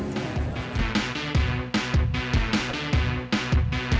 peaan yang tinggi demi kita juga